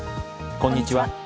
こんにちは。